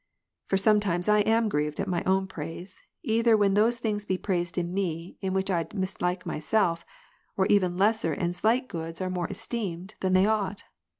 For sometimes I am grieved at my own praise, either when those things be praised in me, in which I mislike myself, or even lesser and slight goods are more esteemed, than they ought.